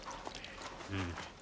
うん。